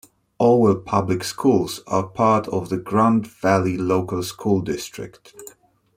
Orwell Public Schools are part of the Grand Valley Local School District.